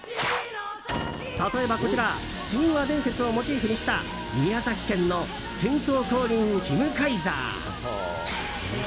例えば、こちら神話伝説をモチーフにした宮崎県の天尊降臨ヒムカイザー。